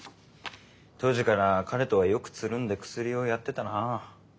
当時から彼とはよくつるんでクスリをやってたなあ。